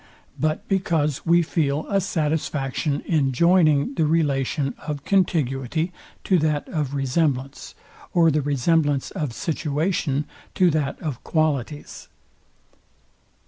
but because we feel a satisfaction in joining the relation of contiguity to that of resemblance, or the resemblance of situation to that of qualities.